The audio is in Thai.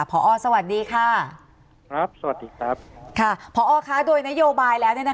พอสวัสดีค่ะพอโดยนโยบายแล้ว